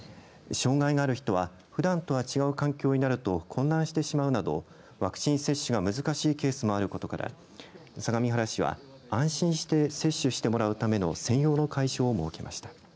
障害がある人はふだんとは違う環境になると混乱してしまうなどワクチン接種が難しいケースもあることから相模原市は安心して接種してもらうための専用の会場を設けました。